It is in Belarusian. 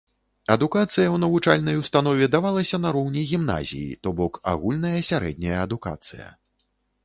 Адукацыя ў навучальнай установе давалася на роўні гімназіі, то бок агульная сярэдняя адукацыя.